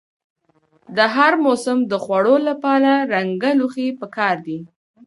د هر موسم د خوړو لپاره رنګه لوښي پکار دي.